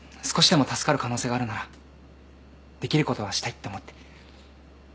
少しでも助かる可能性があるならできることはしたいって思って。